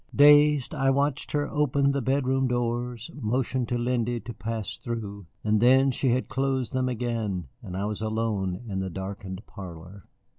Dazed, I watched her open the bedroom doors, motion to Lindy to pass through, and then she had closed them again and I was alone in the darkened parlor.